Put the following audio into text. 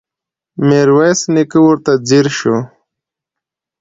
ميرويس نيکه ورته ځير شو.